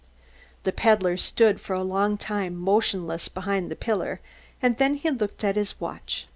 The peddler stood for a long time motionless behind the pillar, then he looked at his watch.